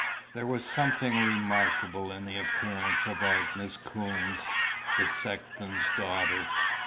There was something remarkable in the appearance of Agnes Coombes, the sexton's daughter.